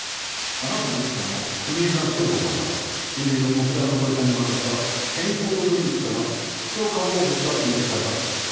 あなたの奥さんの国枝祥子さんが親類の滝沢登さんに渡した健康ドリンクからヒ素化合物が検出されたんです。